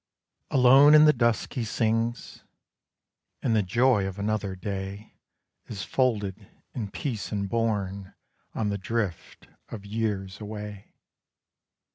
Alone in the dusk he sings, And the joy of another day Is folded in peace and borne On the drift of years away.